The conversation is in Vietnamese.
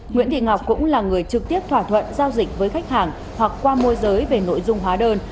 nguyễn thị ngọc cũng là người trực tiếp thỏa thuận giao dịch với khách hàng hoặc qua môi giới về nội dung hóa đơn